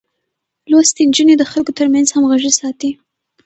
لوستې نجونې د خلکو ترمنځ همغږي ساتي.